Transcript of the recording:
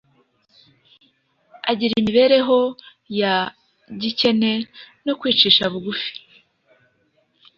agira imibereho ya gikene no kwicisha bugufi,